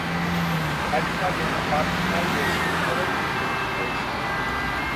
भाजपा ने ‘आपातकाल जैसी’ पाबंदी पर उठाए सवाल